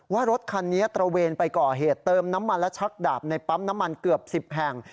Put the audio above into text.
ว่ารถคันนี้ตระเวนไปก่อเหตุเติมน้ำมันและชักดาบในปั๊มน้ำมันเกือบ๑๐แห่ง